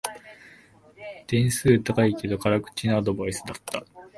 点数高いけど辛口なアドバイスだった